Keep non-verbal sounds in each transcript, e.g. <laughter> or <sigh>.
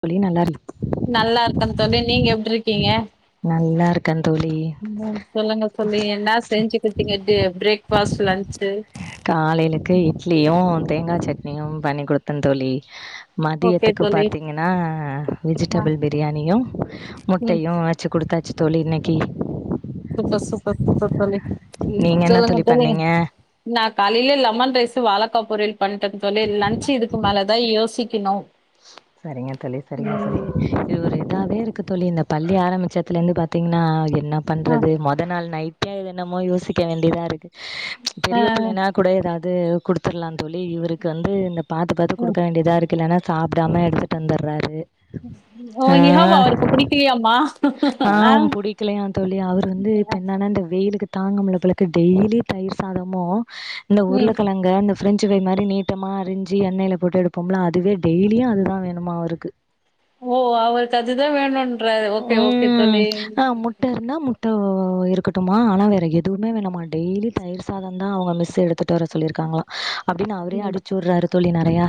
தோழி நல்லா நல்லா இருக்கன் தோழி நீங்க எப்டிருக்கீங்க நல்லா இருக்கே தோழி ம் <unintelligible> சொல்லுங்க தோழி என்ன செஞ்சுக்கிட்டீங்கட்டு பிரேக் ஃபாஸ்ட் லஞ்சு காலையிலுக்கு இட்லியு தேங்கா சட்னியு பண்ணி குடுத்த தோழி ஓகே மதியத்துக்கு தோழி பாத்தீங்கன்னா ஆ வெஜிடபிள் பிரியாணியு ம் முட்டையு வெச்சு குடுத்தாச்சு தோழி இன்னைக்கி சூப்ப சூப்ப சூப்ப தோழி நீங்க என்ன சொல்லுங்க தோழி தோ நீங்க பண்ணீங்க நா காலையிலே லெமன் ரைஸ் வாழக்கா பொருள் பண்ட்டேன் தோழி லஞ்ச் இதுக்கு மேல தா யோசிக்கணு சரிங்க தோழி சரிங்க தோழி ம் இதுவொரு இ தாவே இருக்கு தோழி இந்த பள்ளி ஆரம்பிச்சதுல இருந்து பாத்தீங்கன்னா என்ன ஆ பண்றது மொதல் நாள் நை <unintelligible> என்னமோ யோசிக்க வேண்டியதா இருக்கு ஆ பெரிய பிள்ளைனா கூட ஏதாவது கொடுத்துடலாம் தோழி இவருக்கு வந்து இந்த பாத்து பாத்து ஆ கொடுக்க வேண்டியதா இருக்கு இல்லனா சாப்பிடாம எடுத்துட்டு வந்துடுறாரு ஓ இஹாவா அவருக்கு ஆ பிடிக்கலையாமா ஆ ஆம் புடிக்கலயா தோழி அவர் வந்து இப்ப என்ன இந்த வெயிலுக்கு தாங்க முடில பளுக்கு டெய்லி தயிர் சாதமும் இந்த ம் உருளைக்கிழங்க இந்த ஃப்ரெஞ்சு ஃப்ரை மாரி நீட்டமா அரிஞ்சு எண்ணெய்ல போட்டு எடுப்போம்ல அதுவே டெயலியும் அதுதான் வேணுமாும் அவருக்கு ஓ அவருக்கு அதுதான் வேணும்னு ம் ஆ முட்டை இருந்தா முட்ட இருக்கட்டுமா ஆனா வேற எதுவுே வேணும்ம்மா டெய்லி தயிர் சாதம் தான் அவங்க மிஸ் எடுத்துட்டு வர சொல்லியிருக்காங்களா அப்படின்னு அவரே ம் அடிச்சு விடுறாரு தோழி நறையா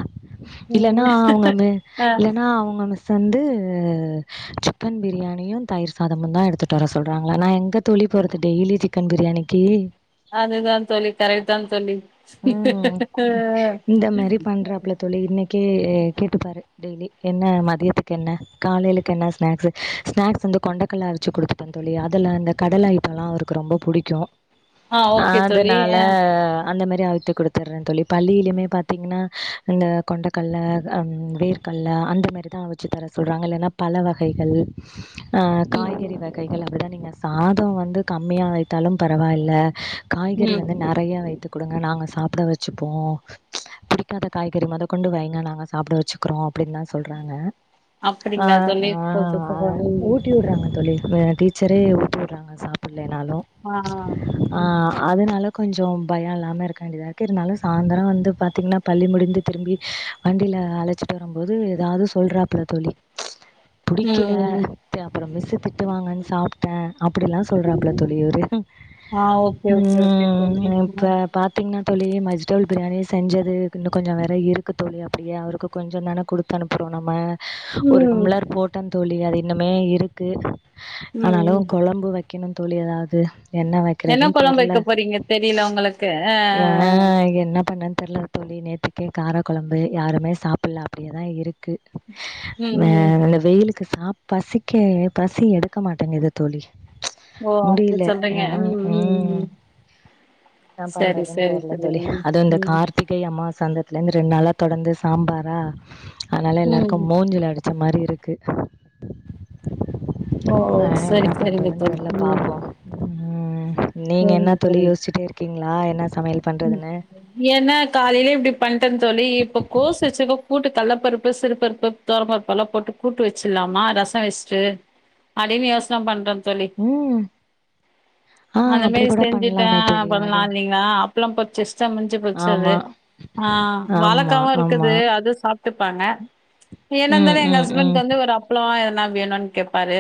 இல்லன்னா ம் அவங்க ஆ இல்லனா அவங்க மிஸ் வந்து சிக்கன் பிரியாணியும் தயிர் சாதமும் தான் எடுத்துட்டு வர சொல்றாங்களன் நான் எங்க தோழி போறது டெய்லி சிக்கன் பிரியாணிக்கு அதுதான் தோழி கரெக்ட் தான் தோழி ம் கே கேட்டுப்பாரு டெய்லி என்ன மதியத்துக்கு என்ன காலையிலுக்கு என்ன ஸ்நாக்ஸ்ு ஸ்நாக்ஸ் வந்து கொண்டக்கல்லா அரிச்சு கொடுத்துட்டேன் தோழி அதில் இந்த கடலா ஐட்டல்லா அவருக்கு ரொம்ப புடிக்கு ஆ ஓகே தோழி அதனால அ அந்த மாதிரி ஆவித்து கொடுத்துறேன் தோழி பள்ளியிலயுமே பார்த்தீங்கன்னா இந்த கொண்டக்கல்லை வேர்க்கல்லை அந்தமாரி தான் அவிச்சு தர சொல்றாங்க இல்லன்னா பல வகைகள் ஆ ம் ம் காய்கறி வகைகள் அப்படிதான் நீங்க சாதம் வந்து கம்மியா வைத்தாலும் பரவால்ல காய்கறி ம் வந்து நறையா வைத்து கொடுங்க நாங்க சாப்ட வச்சுப்போ புடிக்காத காய்கறி முத கொண்டு வைங்க நாங்க சாப்ட வச்சுக்கிறோ அப்படின்னுதான் சொல்றாங்க ஆ அப்டிங்களா தோழி ஆ சூப்பர் ஆ சூப்பர் ம் ஊட்டி உட்றாங்க தோழி டீச்சரே ஊட்டி உட்றாங்க சாப் இல்லைனாலும் ஆ ம் அதனால கொஞ்சம் பயம் இல்லாமல் இருக்க வேண்டியதாக இரு இருந்தாலும் சாயந்திரம் வந்து பார்த்தீங்கன்னா பள்ளி முடிந்து திரும்பி வண்டியில ஆ அழைச்சிட்டு வரும் போது ஏதாவது சொல்றாப்புல தோழி ம் கில ம் அப்புறம் மிசு திட்டுவாங்கன்னு சாப்ட்டே அப்படிலாம் சொல்றாப்புல தோழி இவரு ஆ ஓகே ஓகே ஓகே ம் தோழி இப்ப ம் பாத்தீங்கன்னா தோழி வெஜிடபிள் பிரியாணி செஞ்சது இன்னும் கொஞ்சம் வேறு இருக்கு தோழி அப்படியே அவருக்கு கொஞ்சம் தானே கொடுத்து அனுப்புறோ நம்ம ஒரு ம் டம்ளர் போட்டன் தோழி அது இன்னுமே இருக்கு ம் ம் ஆனாலும் குழம்பு வை வைக்கணும் தோழி ஏதாவது என்ன வைக்கறதுன்னு கொழம்பு தெரில வைக்க போறீங்க தெரில உங்களுக்கு அ ஏன் என்ன பண்ண தெரில தோழி நேத் கே கார குழம்பு யாருமே சாப்டல அப்படியே தா இருக்கு ம் ம் இதுக்கு சா பசிக்க பசி எடுக்க மாட்டேங்கது தோழி முடியல ம் ம் என்ன சரி பண்றதுன்னு சரி தெரில தோழி அது இந்த ம் ம் கார்த்திகை அம்மா வாச வந்ததுல இருந்து ரெண்டு நாளா தொடர்ந்து சாம்பாரா அதனால ம் எல்லாருக்கும் மூஞ்சில அடிச்ச மாதிரி <unintelligible> ஓ அதனால என்ன சரி சரி பண்றதுன்னு தோழி தெர்ல ம் பாப்போ ம் நீங்க என்ன தோழி யோசிச்சிட்டே இருக்கீங்களா என்ன சமையல் பண்றதுன்னு ஏனா காலையிலே இப்படி பண்ட்டேன்னு தோழி இப்ப கோசு வச்சுக்க கூட்டுக்கல்ல பருப்பு சிறு பருப்பு துவரம் பருப்பு எல்லாம் போட்டு கூட்டு வச்சிடலாமா ரசம் வச்சுட்டு அப்பிடின்னு யோசனை பண்ற தோழி ம் ஆ அந்த அப்டி மாதி கூட பண்லாமே செஞ்சுட்டேன் தோழி பண்லா அது இல்லைங்களா அப்பளம் பொறிச்சு வச்சு பொரிச்சா முடிஞ்சு போச்சு அது ஆமா ஆ ஆமா வாழக்காவும் ஆமா இருக்குது அது சாப்ட்டுப்பாங்க ம் என்னந்தாலு எங்க ம் ம் ஹஸ்பண்ட்க்கு வந்து ஒரு அப்புளோ எதனா வேணுன் கேப்பாரு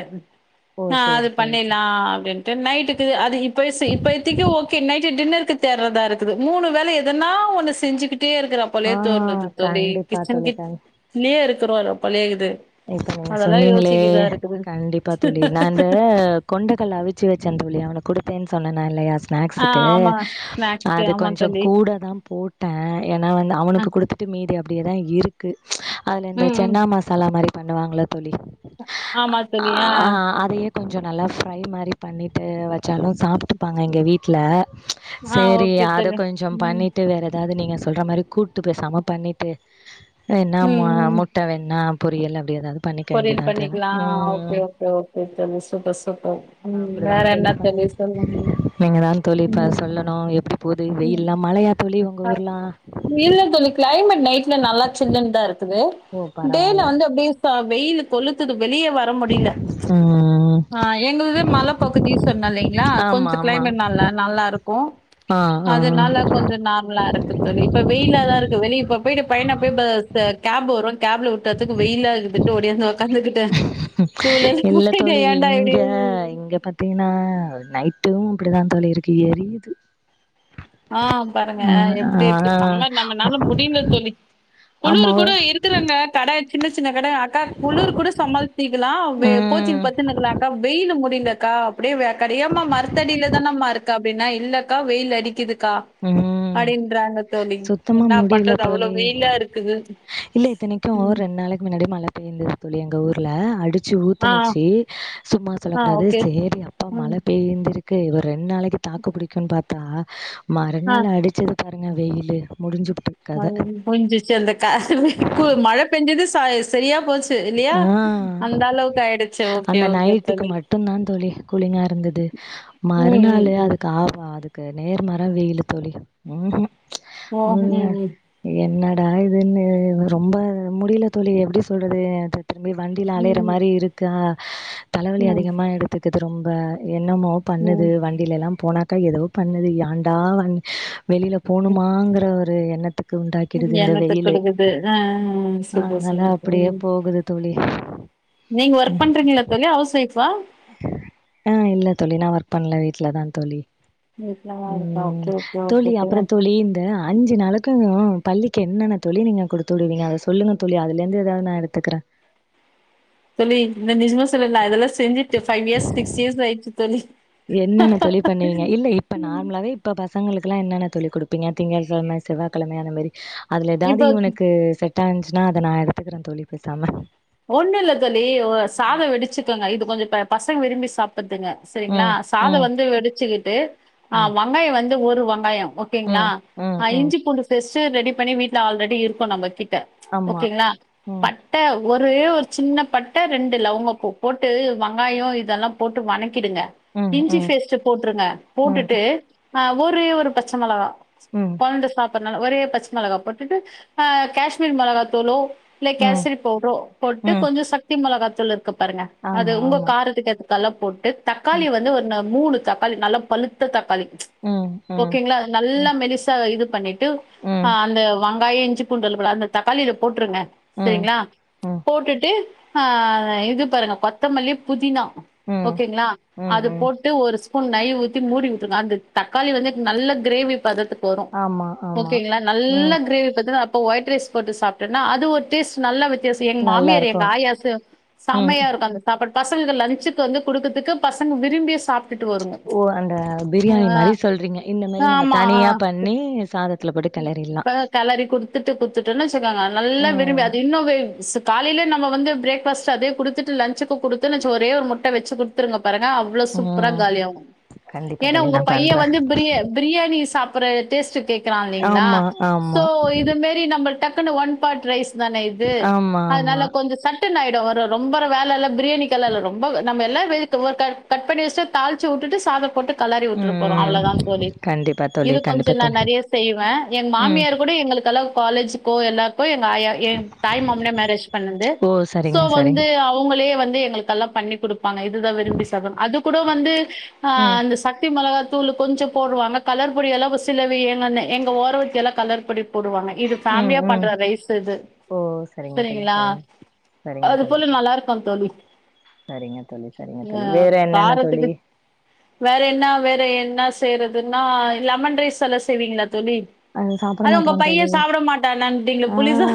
ஓ அ அது சேரி சேரி சேரி பண்ணில்லா அப்டின்ட்டு நைட்டுக்கு அது இப்ப ஸு இப்பய்த்திக்கு ஓகே நைட்டு டின்னருக்கு ண்றதாருக்குது மூணு வேலை எதன்னா ஒன்னு செஞ்சுகி ட்டேருக்கறா ஆ போலயே தோணுது தோழி கண்டிப்பா கிச்சன் தோழி கிட் கண் லியே இருக்கிறோ ர போலயேகிது இப்ப நீங்க சொன்னீங்களே கண்டிப்பா தோழி நா இந்த கொண்டைக்கல்ல அவிச்சு வெச்சேந்தோழி அவனு குடுத்தேன் சொன்னனா இல்லையா ஆ ஸ்நாக்ஸுக்கு ஆமா ஸ்நாக்ஸ்க்கு அது ஆமா கொஞ்சங் தோழி கூட தா போ ட்டே ஏனா வந் ஆ அவுனுக்கு குடுத்துட்டு மீதி அப்டியே தா இருக்கு அதுல இந்த ம் ம் சென்னா மசாலா மாரி பண்ணுவாங்கல தோழி ஆமா அ தோழி ஆ அதைய கொஞ்சோ நல்லா ஃப்ரை மாரி பண்ணிட்டு வெச்சாலு சாப்ட்டுப்பாங்க எங்க வீட்ல ஆ சேரி ஓகே அத தோழி கொஞ்சம் பண்ணிட்டு வேற எதாவது நீங்க சொல்ற மாரி கூட்டு பேசாம பண்ணிட்டு என்னா மு ம் ம் முட்ட வேண்ணா பொரியல் ஏதாவது பண்ணிக்க பொரியல் வேண்டியதா தோழி பண்ணிக்லா அ ஓகே ம் ஓகே ஓக்கே தோழி சூப்ப சூப்ப ம் வேற என்னா தோழி சொல்லுங்க நீங்கதாந் தோழி இப்ப சொல்லணு எப்டி போது வெயில்லா மழையா தோழி உ ஹா இல்ல தோழி கிளைமேட் நைட்ல நல்லா சில்லுன்தாருக்குது ஓ டேல பரவால்ல வந்து அப்டியே ச வெயிலு கொளுத்துது வெளியே வர முடில ம் ஆ எங்குள்து மலபகுதி சொன்ன இல்லைங்ளா ஆமா கொஞ்சோ ஆமா கிளைமேட் நல்லா நல்லாருக்கு ஆ ஆ அதனால கொஞ்சோ நார்மலா இருக்கு தோழி இப்ப வெயிலாதா இருக்கு வெளிய இப்ப போயிட்டு பையன போய் பஸ் ச கேப் வரு கேப்ல விட்டதுக்கு வெயிலாக்குதுண்டு ஒடியாந்து ஒக்காந்துக்கிட்டே இல்ல <unintelligible> தோழி இங்க இங்க பாத்தீங்கனா நை ட்டும் இப்டிதாந் தோழி இருக்கு எரியிது ஆ பாருங்க எப்பிடி இருக்கு சம்மர் நம்மனால முடில தோழி ஆமா குளுரு கூட இருக்கற அங்க தட சின்னகட அக்கா குளிரு கூட சமாள்சிக்கலா வெ ம் போத்தினு பத்துனுக்கலாங்கா வெயிலு முடிலக்கா அப்டியே வேக்காடு ஏம்மா மரத்தடியில தானமாருக்க அப்டின்னா இல்லக்கா வெயில் அடிக்கிதுக்கா ம் அப்டின்றாங்க தோழி சுத்தமா என்னா முடியல பண்றது அவ்ளோ தோழி வெயிலா இருக்குது இல்ல இத்தனைக்கு ம் ரெண் நாளைக் மின்னாடி மழை பேய்ந்தது தோழி எங்க ஊர்ல அடி ச்சு ஆ ஊத்துனுச்சி சும்மா ஆ சொல்லக்கூடாது ஓகே சேரி அப்பா மழ ம் பெய்ந்திருக்கு இவ ரெண் நாளைக்கு தாக்கு பிடிக்குன் பாத்தா ஆ மறுநாள் அடிச்சிது பாருங்க வெயிலு முடிஞ்சு அது முன்சிச்சு அந்த க கு மழை பெஞ்சது ச செரியா போச்சு இல்லையா ஆ அந்த அளவுக்கு ஆயிடுச்சு ஓகே அந்த ஓகே நைட்டுக்கு தோழி மட்டுந்தா தோழி கூலிங்காருந்தது ம், ம், மறுநாளு ம். அதுக்கு ஆ அதுக்கு நேர்மாறா வெயிலு தோழி ம்ஹூ ஓ! ம், <unintelligible> என்ன டா இதுன்னு ரொம்ப முடில தோழி எப்டி சொல்றது அது திரும்பி வண்டியில அலையிற ம், மாரி இருக்கா தலவலி ம், அதிகமா எடுத்துக்கிது ரொம்ப என்னமோ பண்ணுது ம். வண்டிலெல்லாம் போனா க்க எதோ பண்ணுது ஏண்டா வன் வெளியில போணுமாங்கற ஒரு எண்ணத்து க்கு ம். உண்டாக்கிடுது இந்த எண்ணத்த வெயிலு குடுக்குது. ஆ, சூப்பர், அதனால சூப்பர். அப்டியே ம். போகுது தோழி நீங்க ஒர்க் ம் பண்றீங்களா தோழி? ஹவுஸ் ஒய்ஃபா? அ இல்ல தோழி நா ஒர்க் பண்ல வீட்லதாந் தோழி வீட்ல தான் இருக்கா. ம் ஓகே, ஓகே, ஓகே, தோழி ஓகே. அப்பறந் தோழி இந்த அஞ்சு நாளத் துது பள்ளிக்கு என்னென்ன தோழி நீங்க குடுத்து விடுவீங்க அத சொல்லுங்க தோழி அதுலந்து எதாவ் நா எடுத்துக்கிறே தோழி இந்த நிஜமே சொல்லல்ல அதெல்லா செஞ்சிட்டு ஃபைவ் இயஸ் சிக்ஸ் இயஸ் ஆயிட்சு தோழி என்னென்ன தோழி பண்ணுவீங்க இல்ல இப்ப நார்மலாவே இப்ப பசங்களுக்கு லா என்னென்ன தோழி குடுப்பீங்க திங்கள்கெழம செவ்வாகெழம அந்த மாரி அதுல எதாது இப்போ இவுனுக்கு செ ட்டான்சுனா அத நா எடுத்துக்கறே தோழி பேசாம ஒண்ணு இல்ல தோழி ஒ சாதோ வடிச்சுக்கோங்க இது கொஞ்சோ ப பசங்க விரும்பி சாப் பத்துங்க செரிங்ளா ம், சாதோ ம், வந்து வெடிச்சுகிட்டு ஆ ம், வங்காயோ வந்து ஒரு வங்காயோ ஓகேங்ளா ம், ம், அ ம். இஞ்சி பூண்டு பேஸ்டு ரெடி பண்ணி வீட்ல ஆல்ரெடி இருக்கு நம்ப கி ட ஆமா. ஓகேங்ளா ம், பட்ட ஒரே ஒரு சின்ன பட்ட ரெண்டு லவங்கப்பூ போட்டு வெங்காயோ இதெல்லா போட்டு வணக் கிடுங்க ம், இஞ்சி ம், பேஸ்ட் போட்டுருங்க ம், போட்டுட்டு ஒரே ஒரு பச்ச மெளகா ம், கொழந்த சாப்பட்றனா ஒரே பச்ச மெளகா போட்டுட்டு அ காஷ்மீர் மெளகா தூளோ இல்ல ம், கேசரி பவுட்ரோ போட்டு ம். கொஞ்சோ சக்தி மெளகாத்தூள் இருக்கு பாருங்க அது ஆமா, உங்க ஆமா. காரத்துக்கு ஏத் இதெல்லாம் போட்டு தக்காளி ம், வந்து ஒரு மூணு தக்காளி நல்லா பழுத்த தக்காளி ம், ம், ஓகேங்களா நல்லா ம், மெலிசா இது பண்ணிட்டு ம். ஆ அந்த வெங்காயோ இஞ்சி பூண்டு இருக்குல அந்த தக்காளில போட்டுருங்க ம் செரிங்களா ம் போட்டுட்டு ஆ இது பாருங்க கொத்தமல்லி புதினா ம் ஓகேங்களா ம் அது ம் போட்டு ஒரு ஸ்பூன் நெய் ஊத்தி மூடி விட்டுருக்க அந்த தக்காளி வந்து நல்ல கிரேவி பததுக் போரு ஆமா ஆமா ஓகேங்களா நல்ல ம் கிரேவி பாத்தினா அப் ஒயிட் ரைஸ் போட்டு சாப்டேனா அது ஒரு டேஸ்ட் நல்ல வெச் வித்தியாசோ எங்க நல்லா மாமியார் இருக்கு எங்க ஆயா செ ம் செமையா இருக்கு அந்த சாப்பாட்டு பசங்களுக்கு லஞ்சுக்கு வந்து குடுக்கத்துக்கு பசங்க விரும்பிய சாப் ஓ அந்த பிரியாணி மாரி சொல்றீங்க இந்த மாரி நம்ம தனியா பண்ணி சாத இப்பத கேலரி குடுத்துட்டு குத்துட்டோனு வெச்சிக்கோங்க நல்லா விரும்பி ம் அது இன்னோவே காலையில நம்ம வந்து பிரேக்பாஸ்ட் அதே குடுத்துட்டு லன்ச்சிக்கு குடுத்தோ வெச்சிக்கோ ஒரே ஒரு முட்ட வெச்சி குடுத்துருங்கப் பாருங்க அவ்ளோ சூப்பரா ம் காலியாவு கண்டிப்பா ஏன்னா தோழி உங்க நா பைய பண்றே வந்து பிரிய பிரியாணி சாப் புட்ற டேஸ்ட் கேக்குறா இல்லங்களா ஆமா சோ ஆமா இது மாரி நம்ம டக் குனு ஒன் பாட் ரைஸ் தானே இது ஆமா ஆமா அதனால கொஞ்சோ சட்டனு ஆயி டு ஒரு ரொம்பர வேலலா இல்ல பிரியாணிக்கலா இல்ல ரொம்ப நம்ம எல்லா பிரிக் ஒரு கட் பண்ணி வெச்ட்டா தாளிச்சி உட்டுட்டு சாத போட்டு கலறி உட்ற போறோ ம் அவ்வளோதா தோழி கண்டிப்பா தோழி இது கொஞ்சோ கண்டிப்பா நா தோழி நெறைய செய்வே எங்க ம் மாமியார் கூட எங்களுக்கெல்லா காலேஜ்கோ எல்லாருக்கோ எங் ஆயா என் தாய் மாமனே மேரேஜ் பண்ணன்து ஓ சோ சரிங்க வந்து சரிங்க அவுங்களே வந்து எங்களுக்கு எல்லா பண்ணி குடுப்பாங்க இதுதா விரும்பி சாப்டுவோ அது கூட வந்து ம் அந்த சக்தி மெளகா தூளு கொஞ்சோ போடுவாங்க கலர் பொடி எல்லாம் சிலது எங்க அண்ணே எங்க ஓரவத்தி எல்லா கலர் பொடி போடுவாங்க இது ம் ஃபேமலியா ம் பண்ற ரைஸ் இது ஓ சரிங்க தோழி சேரிங்களா சரிங்க சரிங்க அது தோழி போல சரி. நல்லா இருக்கோ தோழி சரிங்க தோழி சரிங்க அ தோழி வேற என்னென்ன காரத்துக்கு தோழி வேற என்னா வேற என்னா செய்றதுன்னா லெமன் ரைஸ் எல்லாம் செய்வீங்களா தோழி அது சாப்ட அதான் உங்க மாட்றா பைய தோழி சாப்ட மாட்டா நா இன்டீங்களே ஆ புளி சா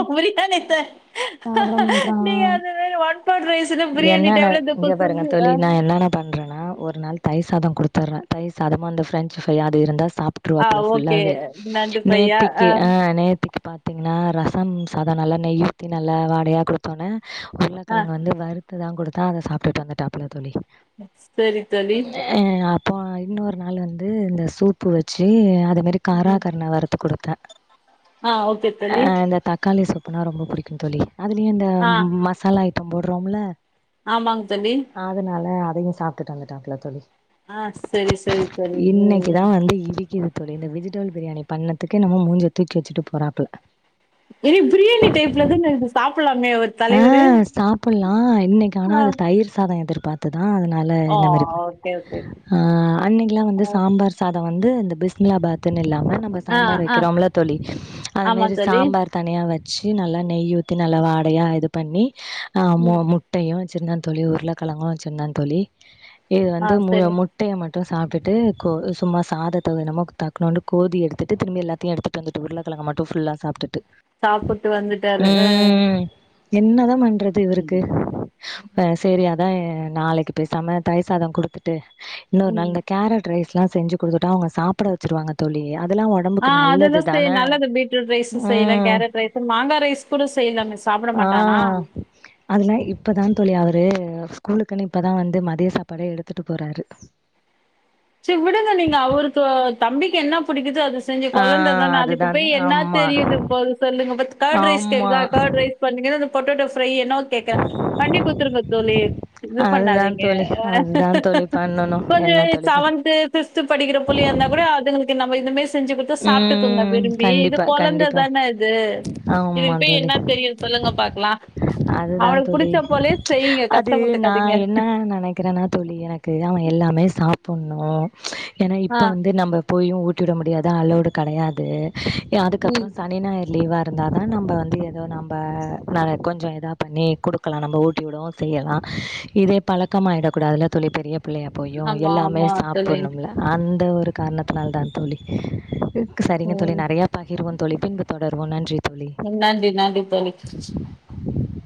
அப்டித்தா நேத்து சாப்ட மாட்றா நீங்க அது மாரி ஒன் பட் ரைஸ்னா பிரியாணி என்னன்ன டைப்ல இத அப்ப செய்யி வேனா ஒரு நாள் தயிர் சாதோ குடுத்துட்றே தயிர் சாதமு அந்த பிரெஞ்சி ஃப்ரை அது இருந்தா சாப்ப ஆ ட்றா ஓகே. ஃபுல்லாவே நண்டு பையா. நேத்திக்கி ஆ நேத்திக் பாத்திங்கன்னா ரசம் சாதோ நல்லா நெய் ஊத்தி நல்லா வாடையா குடுத்தோன்னே ஆ. உருக்கெழங்கு வந்து வருத்து தா குடுத்தா அத சாப்டுட்டு வந்துட்டாப்புல தோழி சேரி தோழி அ அப்போ இன்னொரு நாள் வந்து இந்த சூப்பு வெச்சி அதே மாரி கரா கருணை வருத்து குடுத்தே ஆ ஓகே தோழி அப்போனா ரொம்ப புடிக்கும் தோழி அதுலேயு இந்த ஆ மசாலா ஐட்டோ போட்றோம்ல ஆமாங்க தோழி அதையு சாப்டுட்டு வந்துட்டாபோல தோழி ஆ சரி, சரி தோழி. ம். இன்னைக்குதா வந்து இடிக்குது தோழி இந்த விஜிடேபிள் பிரியாணி பண்ணதுக்கு எம்மோ மூஞ்ச தூக்கி வெச்சிட்டு போறாப்பல இது பிரியாணி டைப்ல தானே இது சாப் ஆ சாப்புட்லா இன்னைக்கு ஆனா ஆ. அது தயிர் சாதோ எதிர் பாத்துதா அதனால ஓ! இந்த மாரி பண் ஓகே, ஓகே. அன்னைக்குலாம் வந்து சாம்பார் சாத் தோ வந்து இந்த பிஸ்மிலாபாத் துன்னு இல்லாம நம்போ ஆ, சாம்பார் ஆ. வெக்கிறோமில்ல தோழி அது ஆமா மாரி தோழி. சாம்பார் தனியா வச் ச்சி நல்லா நெய் ஊத்தி நல்லா வாடையா இது பண்ணி ஆ மு ம் முட்டையு சிருந்த தோழி உருளைக்கழங்கு வச்சிருந்தே தோழி இது ஆ வந்து முழு சரி முட்டைய ம ட்டு சாப்டுட்டு கோ சும்மா சாதத்த நமக் தக்னோன்டு கோதி எடுத்துட்டு திரும்பி எல்லத்தையு எடுத்துட்டுட்டு வந்துட்டு உருளகழங் க மட்டு ஃபுல்லா சாப்டுட்டு சாப்புட்டு வந்துட்டாரு அ என்னதா பண்றது இவருக்கு செரி தா நாளைக்கு பேசாம தயிர் சாதம் கொடுத்துட்டு இன்னொரு நாள் ம் அந்த கேரட் ரைஸ் ல்லா செஞ்சு கொடுத்துட்ட அவங்க சாப்ட வச்சிருவங்க தோழி அதெல்லா ஆ ஒடம்புக்கு அதெல்லா நல்லது செய் தான நல்லது பீட்ரூட் ரைஸு செய்றே ம் கேரட் ரைஸ் மாங்காய் ரைஸ் கூட செய்யலாமே சாப்ட ஆ மாட் அதுல்லா இப்பதான் தோழி அவரு ரு ஸ்கூலுக்குன்னு இப்பதான் வந்து மதிய சாப்பாடே எடுத்துட்டு போறாரு செரி விடுங்க நீங்க அவருக்கு தம்பிக்கு என்ன புடிக்குதோ அது செஞ்சு ஆ கொழந்த தான அதுக்கு அதுதான் போய் என்ன ஆமா தெரியுது சொல்லுங்க கர்ட் ரைஸ் ஆமா கேக்குதா கர்ட் ரைஸ் பண்ணுங்க அப்றோ என்னோ கேக்க பண்ணி குடுத்துருங்க தோழி இது பண்ணாதீங்க பண்ணனும் என்னத்த செவன்து ஃபிஃப்து படிக்கிற புள்ளையா இருந்தா கூட அதுங்களுக்கு நம்ம இந்த மாரி செஞ்சு கொடுத்து சாப்பிட்டுக்கோங்க ம் விரும்பி இது கண்டிப்பா கொழந்த கண்டிப்பா தான இது ஆமா இதுக்கு போய் தோழி. என்ன தெரியும் சொல் சொல்லுங்க பாக்கலாம் அதுதான் அவனுக்கு தோழி புடிச்ச போலயே செய்யுங்க அது நா கஷ்டப்பட்டுக்காதீங்க. என்ன நினைக்கிறேன்னா தோழி எனக்கு அவன் எல்லாமே சாப் புணும் ஏன்னா ஆ. இப்போ வந்து நம்ம போயும் ஊட்டிவிட முடியாத அளோடு கிடையாது அதுக்க ம். அப்புறம் சனி ஞாயர் லீவா இருந்தா தான நம்ம வந்து ஏதோ நம்ம ந கொஞ்ச எதா பண்ணி கொடுக்கலா நம்ப ஊட்டி விடவு செய்யலா இதே பழக்கமாய்டக்கூடாதுல தோழி பெரிய பிள்ளையா போயும் ஆமா, எல்லாமே ஆமா. தோழி. சாப்பிடணும்ல அந்த ஒரு காரணத்துனால தான் தோழி சரிங்க தோழி ம். நிறைய பகிருவோம் தோழி பின்பு தொடர்வோம் நன்றி தோழி கண்டிப்பா <unintelligible>